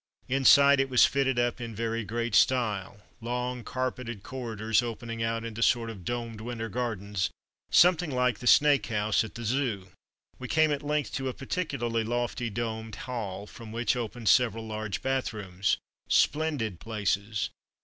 Inside it was fitted up in very great style: long carpeted corridors opening out into sort of domed winter gardens, something like the snake house at the Zoo. We came at length to a particularly lofty, domed hall, from which opened several large bathrooms. Splendid places.